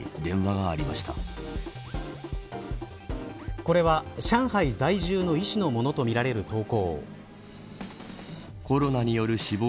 これは、上海在住の医師のものとみられる投稿。